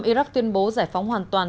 iraq tuyên bố giải phóng hoàn toàn